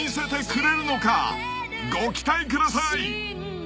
［ご期待ください］